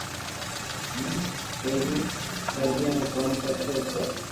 ھون پيري بلديئا ۾ ڪوم ڪرتو ھتو